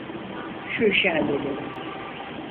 Şu işi halledelim.